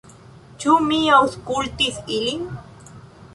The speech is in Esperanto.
Ĉu mi aŭskultis ilin?